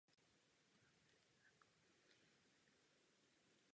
V rodném městě navštěvoval základní a střední školu.